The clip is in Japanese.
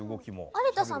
有田さん